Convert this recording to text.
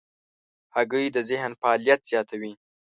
هګۍ د ذهن فعالیت زیاتوي.